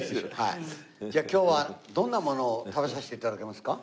じゃあ今日はどんなものを食べさせて頂けますか？